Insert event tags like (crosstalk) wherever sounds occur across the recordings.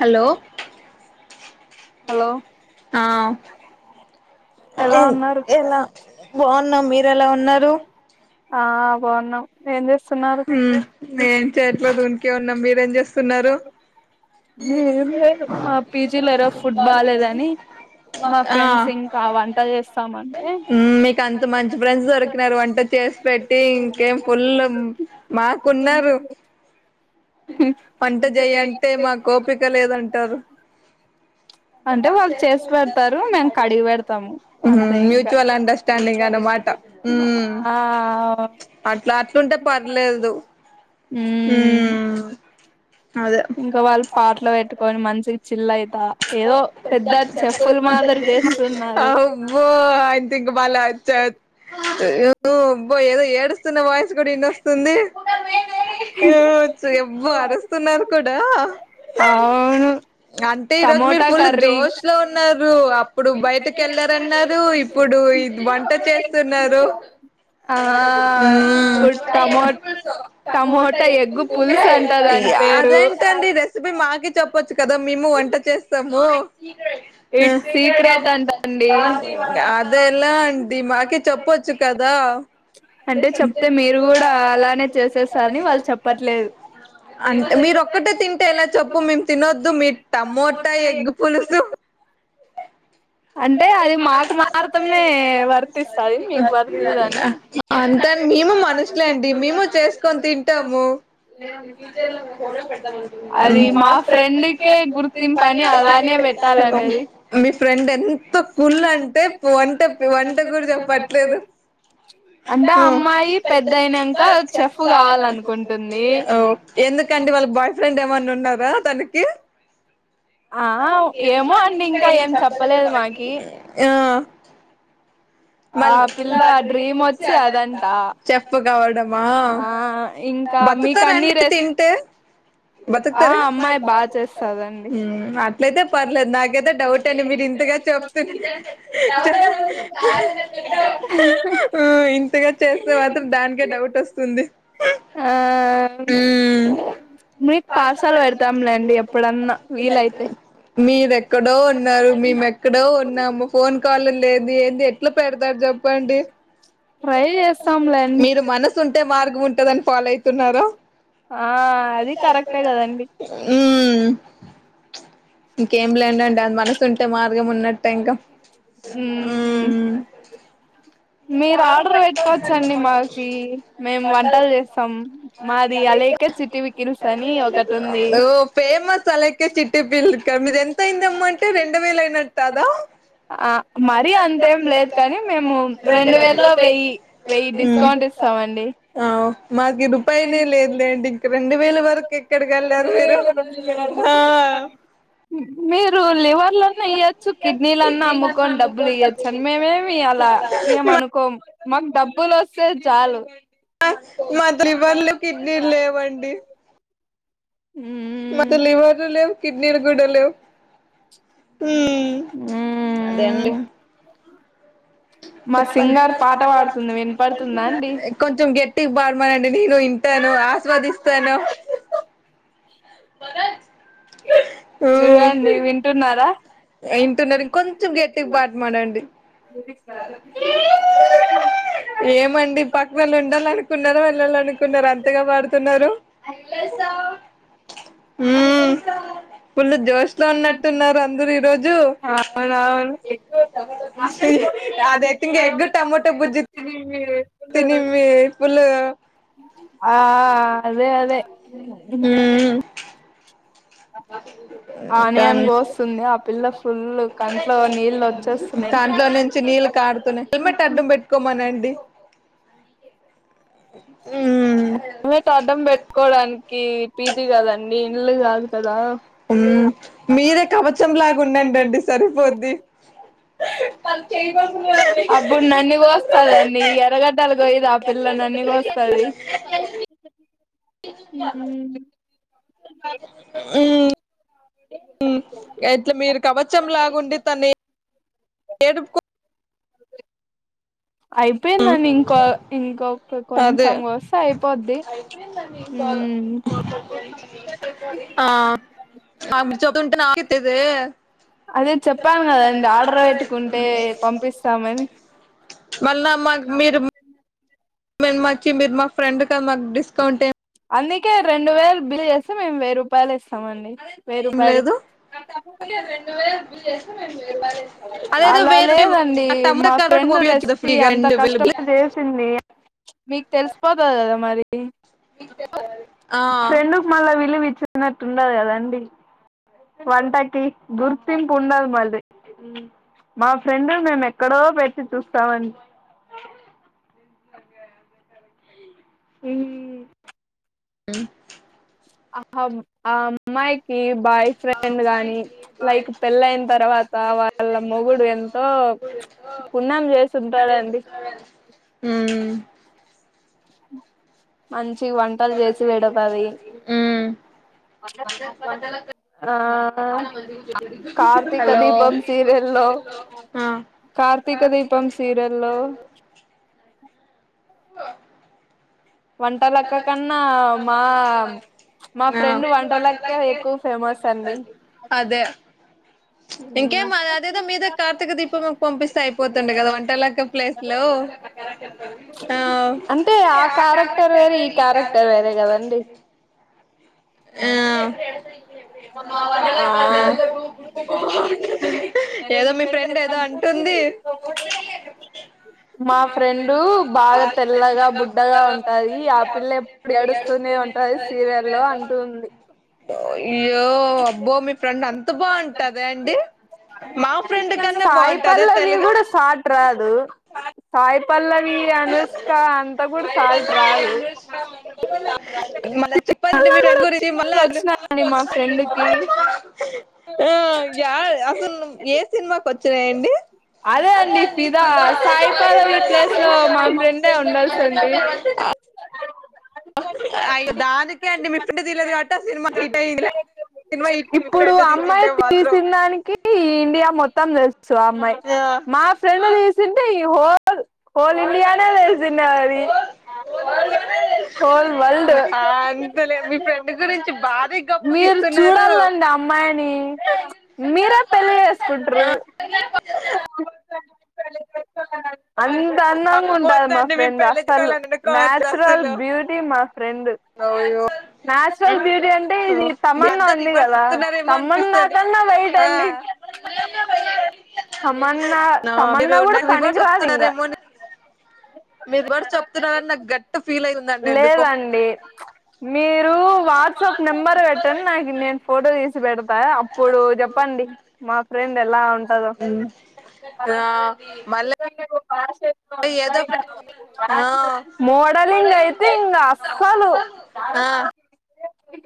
Hello hello hello ఎలా ఆ ఉన్నారు ఎలా బా ఉన్నాం మీరెలా ఉన్నారు ఆ బాగున్నామ్ ఏం చేస్త ఉమ్ ఏమ్ చేయట్లేదు ఊరికే ఉన్నాం మీరేం చేస్త తున్నారు ఏం లేదు మా పీజీలో ఈరోజు ఫుడ్ బాలేదని మా ఆ ఫ్రెండ్స్ ఇంకా వంట చేస్తామంటే మీకు అంత మంచి ఫ్రెండ్స్ దొరికినారు వంట చేసి పెట్టి ఇంకేం ఫుల్ ఆ కొన్నారు వంట చేయ్ అంటే మాకు ఓపిక లేదంటారు అంటే వాళ్ళు చేసి పెడతారు మేము కడిగి పెడతాము ఉమ్ అంతే ఇంకా మ్యూచువల్ అండర్స్టాండింగ్ అన్నమాట ఆ అట్లుంటది పర్లేదు ఉమ్... ఇంకా వాళ్ళు పాటలు పెట్టుకొని మంచి చిల్ అయితా ఏదో పెద్ద చెఫ్ఫులు మాదిరి చేస్తున్నారు అబ్బో ఆయనతో ఇంక బళ వచ్చబో ఏదో ఏడుస్తున్న వాయిస్ కూడా ఇన్నొస్తుంది ఉమ్ ఎవబో అరుస్తున్నారు కూడా అవును ఈ రోజు మీరు టమోటా ఫుల్ కర్రీ జోష్ లో ఉన్నారు అప్పుడు బయటకి వెళ్లారన్నారు ఇప్పుడు ఇది వంట చేస్తున్నారు ఆ ఉమ్ ఇప్పుడు టమో టమోటా ఎగ్గు పులుసు అంట దాని పేరు రెసిపీ మాకే చెప్పొచ్చు కదా మేము వంట చేస్తాము ఇట్స్ సీక్రెట్ అంటండి అదెలా అండి మాకు చెప్పొచ్చు కదా అంటే చెప్తే మీరు కూడా అలానే చేసేసారని వాళ్ళు చెప్పట్లేదు మీరొక్కటి తింటే ఎలా చెప్పు మేము తినొద్దు మీ టమో టా ఎగ్ పులుసు అంటే అది మాకు మాతమే వర్తిస్తది మీకు వర్తియదని అంతేని మేము మనుషులే అండి మేము చేసుకొని తింటాము అది మా ఫ్రెండ్కే గుర్తింపు పని అలానే పెట్టాలనేది మీ ఎంత కుళ్లు అంటే వంట వంట కూడా చెప్పట్లేదు అంటే అమ్మాయి పెద్దనాక చెఫ్ కావాలనుకుంటుంది ఎందుకంటే వాళ్ళ బాయ్ ఫ్రెండ్ ఏమన్నా ఉన్నారా దాని కి ఆ ఏమో అండి ఇంకా ఏం చెప్పలేదు మాకి మళ ఆ పిల్ల డ్రీమ్ వచ్చి అదంట చెప్పు కావడమా ఆ ఇంకా మీకు అన్ని బతుకాతారండి రెస్ తింటే ఆ బతుకుతారా అమ్మాయి బాగా చేస్తాదండి అట్లయితే పర్లేదు నాకైతే డౌట్ అని మీరు ఇంతగా చెప్తు ఇంతగా చేస్తే మాత్రం దానికే డౌట్ వస్తుంది ఆ మీకు పార్సల్ పెడతాంలేండి ఎప్పుడన్నా వీలైతే మీర ఎక్కడో ఉన్నారు మేము ఎక్కడో ఉన్నాము ఫోన్ కాల్ లేదు ఏది ఎట్లా పెడతారు చంపండి ట్రై చేస్తాంలేండి మీరు మనసు ఉంటే మార్గం ఉంటదని ఫాలో అయి తిన్నారా ఆ అది కరెక్టే కదండి ఇంకేంలేండండి అదిమనసు ఉంటే మార్గం ఉన్న ఇంక మ్మ్ హ్మ్ మీరు ఆర్డర్ పెట్టుకోవచ్చండి మనకి మాకి మేము వంటలు చేస్తాం మాది అలేఖ్య చిట్టి పికిల్స్ అని ఒకటి ఉంది ఓ ఫేమస్ అలైకే మీది ఎంత అయింది అమ్మా అంటే రెండు వేలు అయినట్టే కదా ఆ మరి మరీ అంతా అంతేం కాదు లేదు కానీ మేము రెండు కానీ వేల్లో వెయ్యి మేము వెయ్యి డిస్కౌంట్ ఇస్తామండి ఉమ్ మాకి రూపాయినే లేదుండి ఇంక రెండు వేల వరకు ఎక్కడికి వెళ్ళారు మీరు ఆ మీ ఇప్పుడు లివర్ లన్నా ఇయొచ్చు కిడ్నీలన్నా అమ్ముకొని డబ్బులు ఇయొచ్చు మేమేం ఇయ్యాలా ఏం అనుకోం మాకు డబ్బులు వస్తే చాలు మాకు లివర్ర్లు కిడ్నీలు లేవండి మాతో మ్మ్ లివర్ లెవ్ కిడ్నీలు కుడా లెవ్ హుం మ్మ్ అదేండి మా చెప్పండి సింగార్ పాట పాడుతుంది వినపడుతుందా అండి కొంచెం గట్టిగా పాడమనండి నేను వింటాను ఆస్వాదిస్తాను భరత్ ఊ చూడండి వింటున్నారా వింటున్నారు కొంచెం గట్టిగా పాడమనండి ఏమండీ పక్కవాళ్లు ఉండాలనుకుంన్నారా వెళ్లారనుకుంన్నారా అంతగా పాడుతున్నారు మ్ ఫుల్ జోష్‌లో ఉన్నట్టు ఉన్నారు అందరూ ఈరోజు అది అయితే ఎగ్ టమాటో బుర్జీ తిను మే ఫుల్ గా ఆ అదే అదే ఆనియన్ కానీ కోస్తుంది ఆ పిల్ల ఫుల్ కంట్లో నీళ్ళు కాంట్లో వచ్చేస్తున్నాయి నుంచి నీళ్ళు కాడుతున్నా హెల్మెట్ అడ్డం పెట్టుకోమనండి మ్ హెల్మెట్ అడ్డం పెట్టుకోడానికి పీజీ కదండి ఇల్లు కాదు కదా మ్మ్ మీరే కవచం లాగా ఉండండండి సరిపోద్ది ఎర్రగడ్డలు కోయాదు ఆ పిల్లా నన్నీ కోస్తది హ్మ్ మ్ మ్ ఎట్లా మీరు కవచంలాగుండి తనే ఏడుపుకో అ అయిపోయిందండి ఇంకో ఇంకొక అదే కొంచెం కోస్తే అయిపోద్ది మ్మ్ అదే చెప్పాను కదండి ఆర్డర్ పెట్టుకుంటే పంపిస్తామని అ (unintelligible) మాకు మీరు మేను మార్చి మీరు మా ఫ్రెండ్ కద మాకు డిస్కౌంట్ ఏ అందుకే రెండు వేలు బిల్ చేస్తే మేము వెయ్యి రూపాయలు ఇస్తామండి వేయిరూపాయలు లేదు అదేదో అలా వేరు మేము లేదండి ఆ టమోటా మా కరోట్ ఫ్రెండ్ పంపియొచ్చు కదా రెసిపీ ఫ్రీగా అంత రెండు వేలు కష్టపడి చేసింది మీకు తెలిసిపోతది కదా మరి ఆ ఫ్రెండ్ కి మల్ల విలువిచ్చే ఉన్నట్టు ఉండదు కదండి వంటకి గుర్తింపు ఉండాలి మరి మా ఫ్రెండ్ మేము ఎక్కడో పెట్టి చూస్తామనీ ఏ అహం హ మైక్ కి బాయ్ ఫ్రెండ్ గాని, లైక్ పెళ్ళ అయిన తర్వాత వాళ్ళ మొగుడు ఎంతో పున్నం చేసుంటాడండి. ఉమ్ మం ఛీ వంటలు చేసి పెడతాది ఉమ్ దీపం సీరియల్లో కార్తీక దీపం సీరియల్లో హలో వంటలక్క కన్నా మా మా ఆ ఫ్రెండ్ వంటలక్క ఎక్కువ ఫేమస్ అండి ఇంకే మా అదేదో మీద కార్తీక దీపం పంపిస్తే అయిపోతుండ కదా వంటలక్క ప్లేస్ లో ఆ అంటే ఆ క్యారెక్టర్ వేరు ఈ క్యారెక్టర్ వేరే కదండి ఆ ఏదో మీ ఫ్రెండ్ ఏదో అంటుంది మా ఫ్రెండు బాగా తెల్లగా బుడ్డగా ఉంటా ఉంటది సీరియల్లో అంటుంది అయ్యో అబ్బో మీ ఫ్రెండ్ అంత బాగు కదండీ మా ఫ్రెండ్ కన్నా సాయి బాగుంటదా పల్లవి తెల్లగా కూడా సాట్ రాదు సాయి పల్లవి అనుష్క అంతా కూడా సాల్ట్ రారు మళ్ళ చెప్పండి అలా మీరు కూడా వచ్చినాండి మా ఫ్రెండ్ కి (unintelligible) ఆ యా అసలు ఏ సినిమాకి వచ్చినాయండి అదే ఇంట్లో మా ఫ్రెండే ఉండాల్సింది అయ్యో దానికే అండి మీ ఫ్రెండ్ తీయలేదు కాబట్టి ఆ సినిమా హిట్ అయింది లేకపో సినిమా హిట్ ఐ ఇప్పుడు అమ్మాయి తీసినాదానికి ఈ ఇండియా మొత్తం తెలుసు ఆ మా ఫ్రెండ్ తీసింటే ఈ హోల్ హోల్ ఇండియానే తెలిసిందది, హోల్ వరల్డ్ ఆ అంతలే మీ ఫ్రెండ్ గురించి భారీ మీరు గొప్పగిస్తున్నారు చూడాలండి అమ్మాయిని మీరే పెళ్లి చేసుకుంటారు ఆ (unintelligible) అవి ఎంత అందంగా ఉంటది మా వద్దండి మేము ఫ్రెండ్, పెళ్లి అసలు చేసుకోవాలని అనుకోవట్లే నచురల్ అసలు బ్యూటీ మా ఫ్రెండ్ అయ్యో నాచురల్ బ్యూటీ అంటే ఇది మీ తమన్నా అంతా ఉంది రివర్స్ కదా చెప్తున్నారేమో తమన్నా అనిపిస్తది కన్నా వైట్ ఆ అండి తమన్నా నా మీరు తమన్నా కూడా పనికి రాదు ఇంగ రివర్స చెప్తున్నారని నాకు గట్ ఫీల్ అయి లేదండి మీరు వాట్సాప్ నెంబర్ పెట్టండి, నాకు నేను ఫోటో తీసి పెడతా అప్పుడు చెప్పండి మా ఫ్రెండ్ ఎలా ఉం ఆ మల్ల పాస్ పో ఏదప్పు ఆ మోడలింగ్ అయితే ఇంకా అసలు ఆ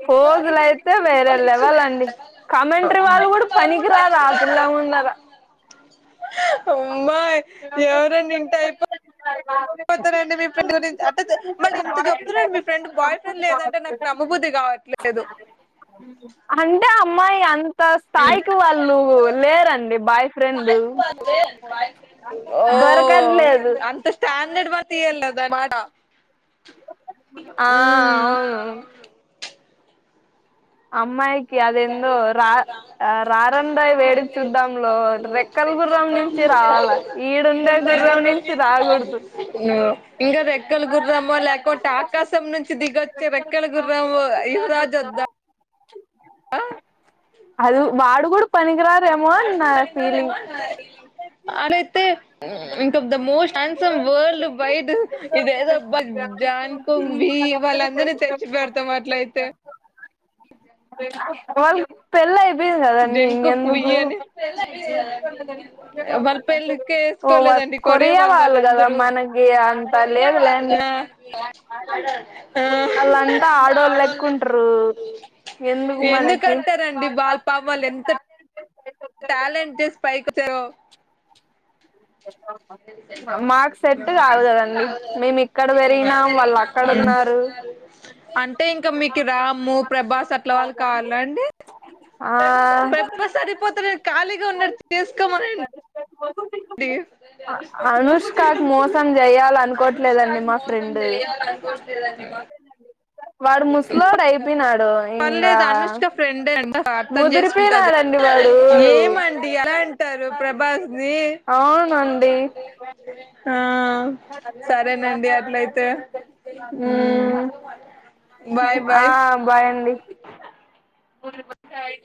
ఫోజులయితే వేరే లెవల్ండి కమెంటరీ వాళ్ళు కూడా పనికి రాదు ఆ పిల్ల ముందర అమ్మో ఎవరైనా వింటే అయిపో పోతానండి మీ ఫ్రెండ్ అంటే మళ్ళీ ఇంత చెప్తున్నాండి మీ ఫ్రెండ్ బాయ్ ఫ్రెండ్ లేదంటే నాకు నమ్మబుద్ధి కావట్లేదు అంటే అమ్మాయి అం అంతా స్థాయికి వాళ్ళు లేరండి బాయ్ ఫ్రెండ్ ఓ దొరకట్లేదు అంత స్టాండర్డ్ భర్త అవసరం లేదా మాట ఆ అవును అమ్మాయికి అదేందో రా రారందాయి వేడుకి చూద్దాంలో రెక్కల గుర్రం నుంచి రావాల ఈడుండే గుర్రం నుంచి రాకూడదు ఇంకా రెక్కల గుర్రమో లేకుంటే ఆకాశం నుంచి దిగొచ్చి రెక్కల గుర్రము యువరాజు వద్దా చిప్ అది వాడు కూడా పనికిరారేమో అని నా ఫీలింగ్ అలైతే ఇంకా the most handsome world wide ఇదేదో అబ్బ జాన్ కుంగ్ బి వాళ్ళందరినీ తెచ్చి పెడతాం అట్లయితే వాళ్ళు దేనికో క్యూయాని వాళ్ళ పెళ్ళికే ఓ ఒపుకోలేదండి కొరియా కొరియావాళ్ళు వాళ్ళు కదా వాళ్ళందరూ మనకి అంత లేదులేండి ఆ ఆ వాళ్ళంతా ఆడోళ్ళు లెక్కుంటారు ఎందుకు మనకి ఎందుకంటరండ ది వాళ్ల్ పా వాళ్ళ ఎంత టేలెంట్ చేసి పైకి వచ్చారూ మాకు సెట్ కాదు కదండి మేము ఇక్కడ పెరిగినాం వాళ్ళు అక్కడ ఉన్నారు అంటే ఇంకా మీకు రాము ప్రభాస్ అట్ల వాళ్ళు కావాలాఅండి ఆ ప్రభా సరిపోతడు ఖాళీగా ఉన్నడు చేసుకోమనండి మొత్త ప్లీజ్ అనుష్కకి మోసం చెయ్యాల అనుకోట్లేదండి మా మోసం ఫ్రెండ్ చేయాలి అనుకోట్లేదండి మా వాడు ముసలోడు అయిపోయినాడు ఇంగా పర్లేదు అనుష్క ఫ్రెండే అంట అర్థం చేసుకుంటది ముదిరిపోయినాడండి వాడు ఏమండి అలా అంటారు ప్రభాస్ ని అవునండి ఆ సరేనండి అట్లయితే ఉమ్ బాయ్ బాయ్ ఆ బాయండి అండి వదిలి పే చాయ్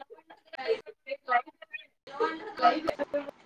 పండు క్లైమెట్